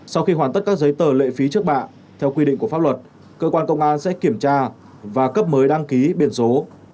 sau khi hoàn tất các giấy tờ lệ phí trước bạ theo quy định của pháp luật cơ quan công an sẽ kiểm tra và cấp mới đăng ký biển số